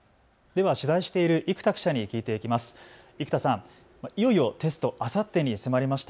では取材している生田記者に聞いていきます。